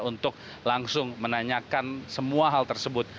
untuk langsung menanyakan semua hal tersebut